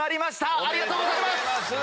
ありがとうございます！